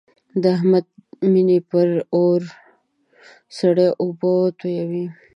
د احمد د مینې پر اور سړې اوبه توی شوې.